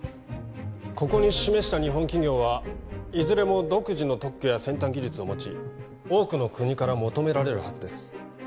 ここに示した日本企業はいずれも独自の特許や先端技術を持ち多くの国から求められるはずです